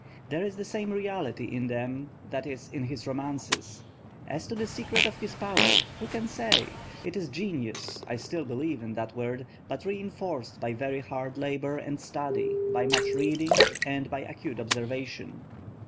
There is the same reality in them that is in his romances. As to the secret of his power, who can say? It is genius (I still believe in that word) but re enforced by very hard labour and study, by much reading, and by acute observation."